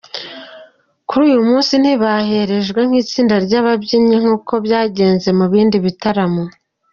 Kuri uyu munsi ntibaherejwe n’itsinda ry’ababyinnyi nk’uko byagenze mu bindi bitaramo.